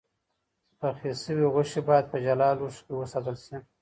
پخې شوې غوښې باید په جلا لوښو کې وساتل شي.